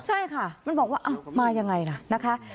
ใช่ค่ะมันบอกว่ามายังไงล่ะนะคะ